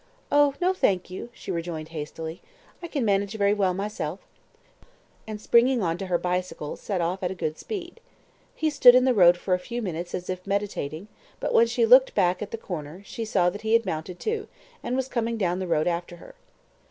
"Oh, no, thank you," she rejoined hastily. "I can manage very well myself," and, springing on to her bicycle, set off at a good speed. He stood in the road for a few minutes as if meditating; but, when she looked back at the corner, she saw that he had mounted too, and was coming down the road after her.